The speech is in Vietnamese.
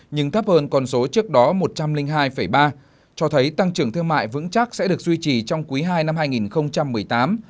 nhưng thấp hơn con số trước đó một trăm linh hai ba cho thấy tăng trưởng thương mại vững chắc sẽ được duy trì trong quý ii năm hai nghìn một mươi tám